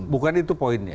bukan itu poinnya